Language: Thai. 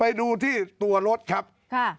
ไปดูที่ตัวรถครับ